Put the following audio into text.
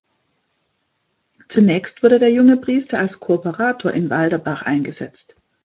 Zunächst wurde der junge Priester als Kooperator in Walderbach eingesetzt.